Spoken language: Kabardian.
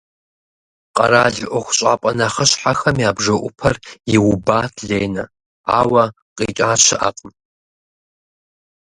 Къэрал ӏуэхущӏапӏэ нэхъыщхьэхэм я бжэӏупэр иубат Ленэ, ауэ къикӏа щыӏэкъым.